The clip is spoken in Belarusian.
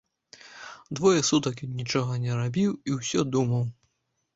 Двое сутак ён нічога не рабіў і ўсё думаў.